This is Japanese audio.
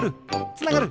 つながる！